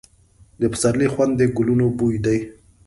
د پسرلي خوند د ګلونو بوی دی.